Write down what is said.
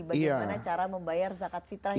bagaimana cara membayar zakat fitrah